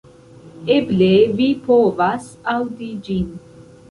Eble vi povas aŭdi ĝin